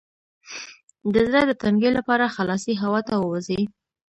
د زړه د تنګي لپاره خلاصې هوا ته ووځئ